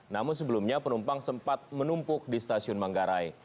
namun sebelumnya penumpang sempat menumpuk di stasiun manggarai